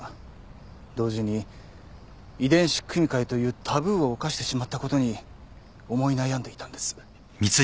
同時に遺伝子組み換えというタブーを犯してしまったことに思い悩んでいたんです。